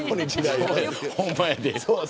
ほんまやで。